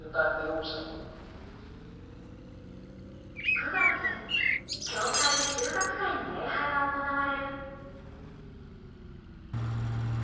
９月教会で収穫祭の礼拝が行われる。